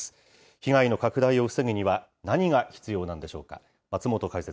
被害の拡大を防ぐには、何が必要なんでしょうか。